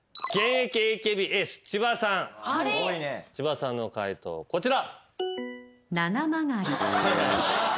千葉さんの解答こちら。